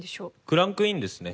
クランクインですね。